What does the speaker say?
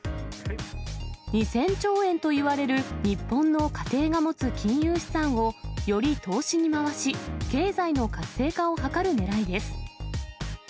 ２０００兆円といわれる日本の家庭が持つ金融資産を、より投資に回し、経済の活性化を図るねらいです。